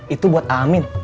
itu buat amin